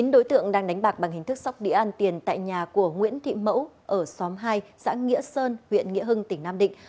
chín đối tượng đang đánh bạc bằng hình thức sóc đĩa ăn tiền tại nhà của nguyễn thị mẫu ở xóm hai xã nghĩa sơn huyện nghĩa hưng tỉnh nam định